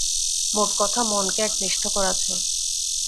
মোট কথা মনকে একনিষ্ঠ করা চাই।